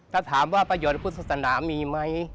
ถ้าถามว่าประโยชน์พุทธศาสนามีไหม